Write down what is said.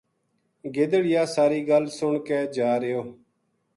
گدڑ یاہ ساری گل سن کے جا رہیو